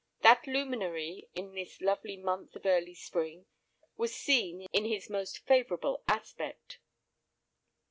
That luminary in this lovely month of early spring was seen in his most favourable aspect.